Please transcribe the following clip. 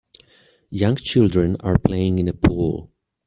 Young children are playing in a pool.